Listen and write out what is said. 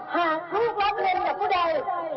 หากรูปรัฐเงินจากผู้ใด